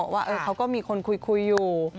ว่าเขาก็มีคนคุยอยู่